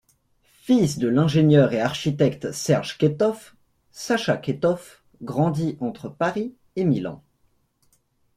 Fils de l’ingénieur et architecte Serge Ketoff, Sacha Ketoff grandit entre Paris et Milan.